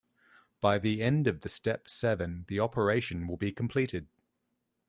By the end of the step seven, the operation will be completed.